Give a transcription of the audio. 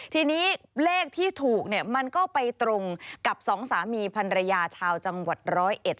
ทีนี้เลขที่ถูกมันก็ไปตรงกับ๒สามีพันรยาชาวจังหวัด๑๐๑